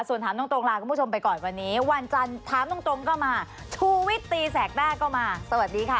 ส่วนถามตรงลาคุณผู้ชมไปก่อนวันนี้วันจันทร์ถามตรงก็มาชูวิตตีแสกหน้าก็มาสวัสดีค่ะ